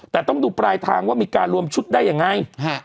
แต่ต้องดูปลายทางว่ามีการรวมชุดได้ยังไง